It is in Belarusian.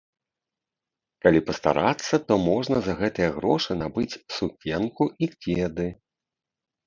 Калі пастарацца, то можна за гэтыя грошы набыць сукенку і кеды.